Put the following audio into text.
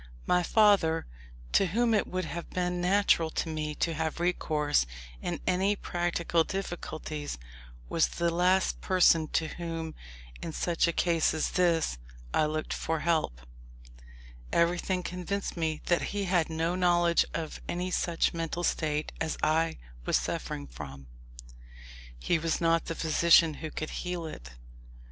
My father, to whom it would have been natural to me to have recourse in any practical difficulties, was the last person to whom, in such a case as this, I looked for help. Everything convinced me that he had no knowledge of any such mental state as I was suffering from, and that even if he could be made to understand it, he was not the physician who could heal it.